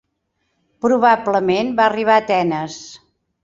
Probablement va arribar a Atenes.